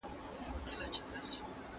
¬ خوار سړى، ابلک ئې سپى.